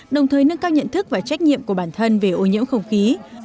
đồng thời nâng cao nhận thức và trách nhiệm của bản thân về ô nhiễm không khí